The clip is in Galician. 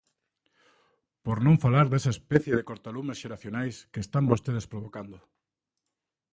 Por non falar desa especie de cortalumes xeracionais que están vostedes provocando.